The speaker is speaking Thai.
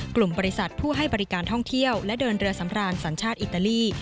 กลุ่มบริษัทผู้ให้บริการท่องเที่ยวและเดินเรือสำราญสัญชาติอิตาลี